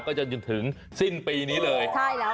ก็ถึงสิ้นปีนี้เลย